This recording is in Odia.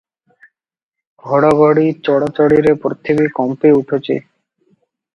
ଘଡ଼ଘଡ଼ି ଚଡ଼ଚଡ଼ିରେ ପୃଥିବୀ କମ୍ପି ଉଠୁଛି ।